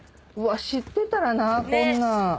知ってたらなこんなん。